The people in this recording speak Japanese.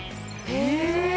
へえ。